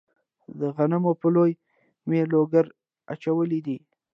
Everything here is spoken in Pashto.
د غنمو په لو مې لوګري اچولي دي.